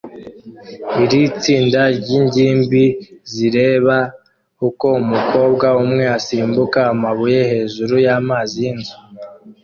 Iri tsinda ryingimbi zirebera uko umukobwa umwe asimbuka amabuye hejuru y amazi yinzuzi